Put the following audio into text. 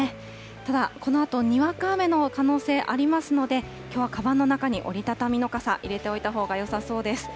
ただ、このあとにわか雨の可能性ありますので、きょうはかばんの中に折り畳みの傘、入れておいたほうがよさそうです。